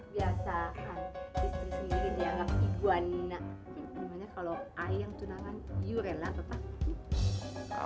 biasa kan istri sendiri dianggap ibu anak